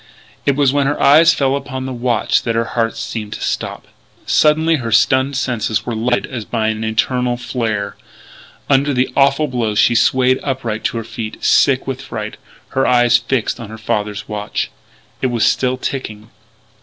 It was when her eyes fell upon the watch that her heart seemed to stop. Suddenly her stunned senses were lighted as by an infernal flare.... Under the awful blow she swayed upright to her feet, sick with fright, her eyes fixed on her father's watch. It was still ticking.